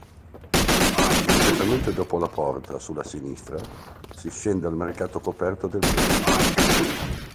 Immediatamente dopo la porta, sulla sinistra si scende al mercato coperto del pesce.